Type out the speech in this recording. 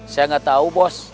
saya gak tau bos